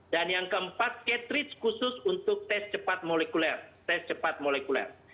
dan yang keempat catridge khusus untuk tes cepat molekuler